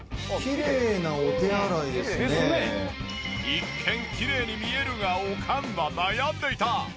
一見きれいに見えるがおかんは悩んでいた。